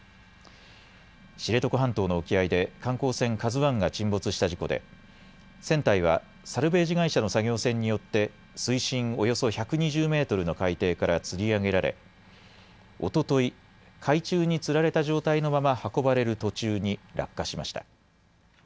知床半島の沖合で観光船、ＫＡＺＵＩが沈没した事故で船体はサルベージ会社の作業船によって水深およそ１２０メートルの海底からつり上げられおととい海中につられた状態のまま運ばれる途中に落下しました。